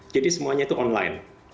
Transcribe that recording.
jadi semuanya itu online